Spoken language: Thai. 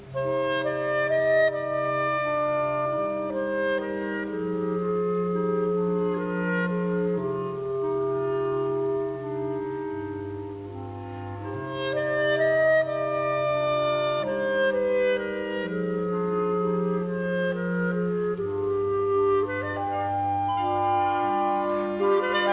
โปรดติดตามต่อไป